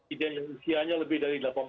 ideologi usianya lebih dari delapan puluh tahun